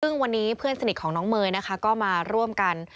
ซึ่งวันนี้เพื่อนสนิทของน้องเมย์นะคะก็มาร่วมกัน